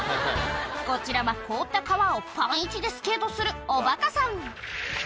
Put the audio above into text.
こちらは凍った川をパンいちでスケートするおばかさん。